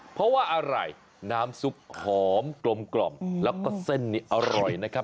เพราะว่าอะไรน้ำซุปหอมกลมแล้วก็เส้นนี้อร่อยนะครับ